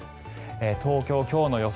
東京、今日の予想